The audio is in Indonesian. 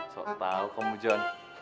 sok tau kamu jon